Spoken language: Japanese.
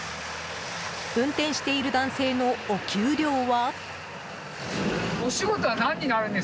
運転している男性のお給料は？